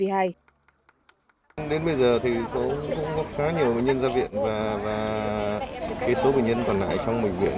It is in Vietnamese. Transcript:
đến bây giờ thì cũng có khá nhiều bệnh nhân ra viện và số bệnh nhân còn lại trong bệnh viện